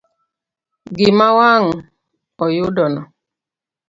Gima wang ayudo no.